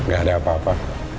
gak ada apa apa